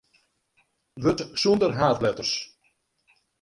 Wurd sonder haadletters.